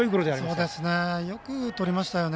よくとりましたよね。